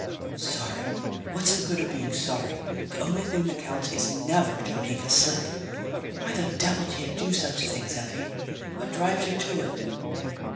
"Sorry? What's the good of being sorry? The only thing that counts is never to make a slip! Why the devil do you do such things, Effie? What drives you to it?"